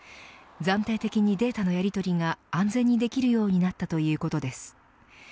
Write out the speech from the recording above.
暫定的にデータのやりとりが安全にできるようになったということです。